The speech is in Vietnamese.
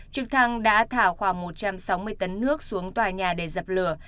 trực thăng đã thả khoảng một trăm sáu mươi tấn nước xuống tòa nhà để dập lửa